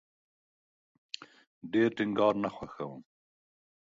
ډیر ټینګار نه خوښوم